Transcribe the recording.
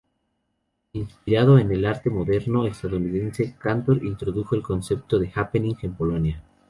Inspirado en el arte moderno estadounidense, Kantor introdujo el concepto de happening en Polonia.